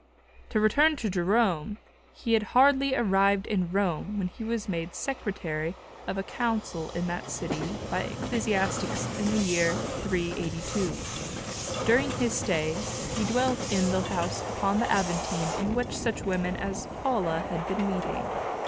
To return to Jerome: he had hardly arrived in Rome when he was made secretary of a council held in that city by ecclesiastics in the year 382. During his stay he dwelt in the house upon the Aventine in which such women as Paula had been meeting.